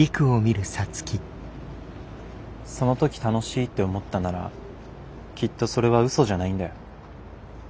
その時楽しいって思ったならきっとそれは嘘じゃないんだよ。